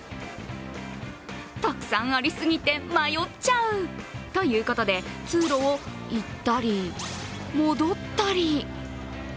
たくさんありすぎて迷っちゃう！ということで通路を行ったり戻ったり。